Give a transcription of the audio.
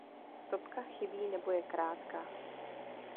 Stopka chybí nebo je krátká.